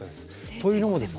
というのもですね